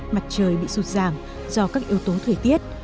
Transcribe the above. mặt trời bị sụt giảm do các yếu tố thời tiết